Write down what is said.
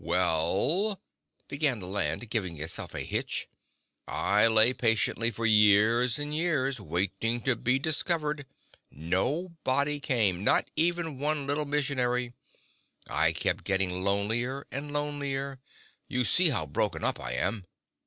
"Well," began the Land, giving itself a hitch, "I lay patiently for years and years waiting to be discovered. Nobody came—not even one little missionary. I kept getting lonelier and lonelier. You see how broken up I am!"